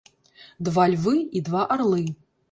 Два львы і два арлы.